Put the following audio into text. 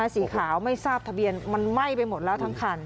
สีขาวไม่ทราบทะเบียนมันไหม้ไปหมดแล้วทั้งคัน